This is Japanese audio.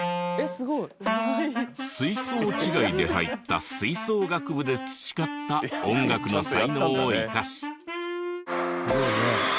「すいそう」違いで入った吹奏楽部で培った音楽の才能を生かし。